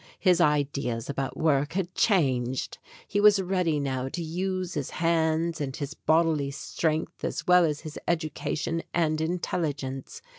His ideas about work had changed. He was ready now to use his hands and his bodily strength as well as his education and intelli gence.